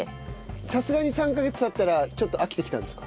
さすがに３カ月経ったらちょっと飽きてきたんですか？